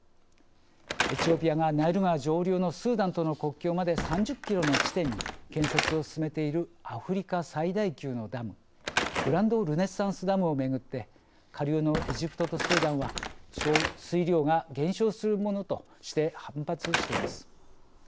エチオピアがナイル川上流のスーダンとの国境まで３０キロの地点に建設を進めているアフリカ最大級のダムグランド・ルネサンスダムをめぐって下流のエジプトとスーダンは水量が減少するものとして反発しています。